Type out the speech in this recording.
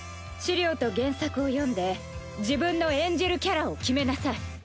資料と原作を読んで自分の演じるキャラを決めなさい。